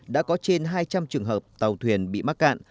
đã có trên hai trăm linh trường hợp tàu thuyền bị mắc cạn